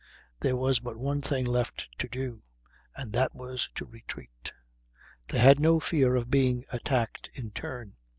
There was but one thing left to do, and that was to retreat. They had no fear of being attacked in turn.